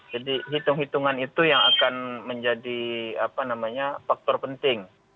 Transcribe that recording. jadi hitung hitungan itu yang akan menjadi faktor penting